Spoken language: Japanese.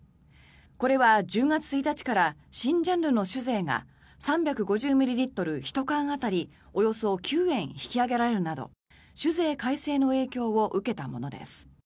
これは１０月１日から新ジャンルの酒税が３５０ミリリットル１缶当たりおよそ９円引き上げられるなど酒税改正の影響を受けたものです。